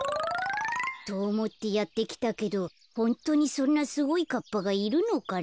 とおもってやってきたけどホントにそんなすごいカッパがいるのかな？